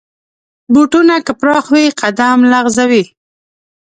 بوټونه که پراخ وي، قدم لغزوي.